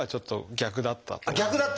逆だった？